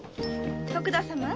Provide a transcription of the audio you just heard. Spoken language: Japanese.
徳田様